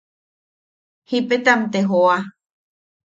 Jipetam te joa.